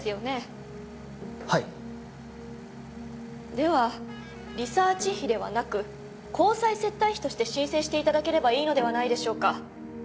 ではリサーチ費ではなく交際接待費として申請して頂ければいいのではないでしょうか？